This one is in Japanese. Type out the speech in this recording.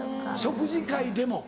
食事会でも？